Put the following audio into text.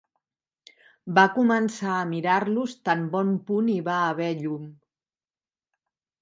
Va començar a mirar-los tan bon punt hi va haver llum.